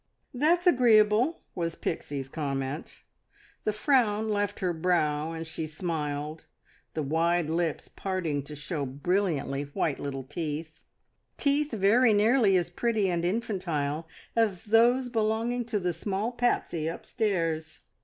"That's agreeable!" was Pixie's comment. The frown left her brow and she smiled, the wide lips parting to show brilliantly white little teeth, teeth very nearly as pretty and infantile as those belonging to the small Patsie upstairs.